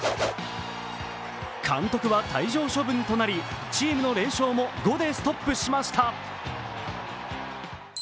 監督は退場処分となりチームの連勝も５でストップしました。